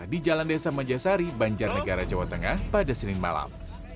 di jalan desa majasari banjar negara jawa tengah pada senin malam